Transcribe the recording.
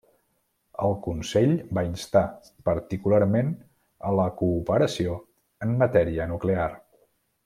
El Consell va instar particularment a la cooperació en matèria nuclear.